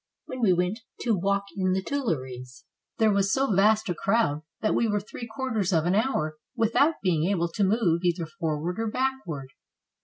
When we went to walk in the Tuileries, there was so vast a crowd that we were three quarters of an hour without being able to move either forward or backward.